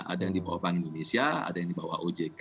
ada yang di bawah bank indonesia ada yang di bawah ojk